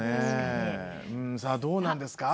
さあどうなんですか？